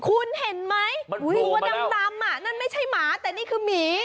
คุณเห็นไหมตัวดำนั่นไม่ใช่หมาแต่นี่คือหมี